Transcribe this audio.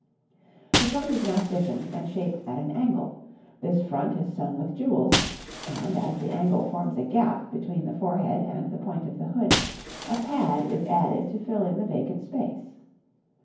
The front is now stiffened and shaped at an angle, this front is sewn with jewels, and, as the angle forms a gap between the forehead and the point of the hood, a pad is added to fill in the vacant space.